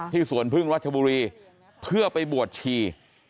สวนพึ่งรัชบุรีเพื่อไปบวชชี